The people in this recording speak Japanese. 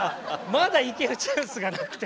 まだ行けるチャンスがなくて。